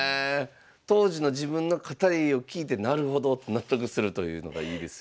当時の自分の語りを聞いて「なるほど」って納得するというのがいいですよね。